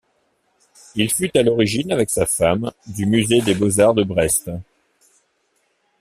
Il fut à l'origine, avec sa femme, du musée des beaux-arts de Brest.